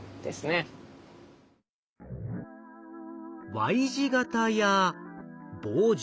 Ｙ字型や棒状。